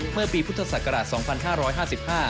เมื่อปีพุทธศักราช๒๕๕๕